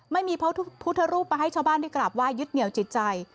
ไม่มีพระพุทธรูปมาให้ชาวบ้านได้กราบไห้ยึดเหนียวจิตใจ